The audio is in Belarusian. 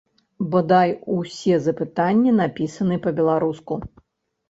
Бадай усе запытанні напісаны па-беларуску.